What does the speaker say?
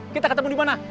kita ketemu di mana